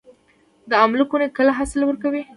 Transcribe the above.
د املوک ونې کله حاصل ورکوي؟